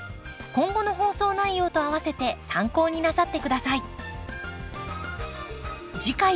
今後の放送内容とあわせて参考になさって下さい。